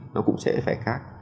nó cũng sẽ phải khác